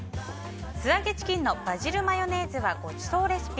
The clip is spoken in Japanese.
素揚げチキンのバジルマヨソースはごちそうレシピ。